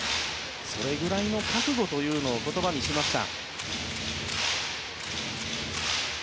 それぐらいの覚悟を言葉にしました。